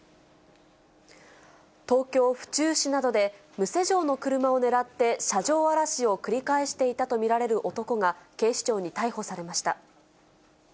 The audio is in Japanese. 東京・府中市などで、無施錠の車を狙って、車上荒らしを繰り返していたと見られる男が、警視庁に逮捕されました。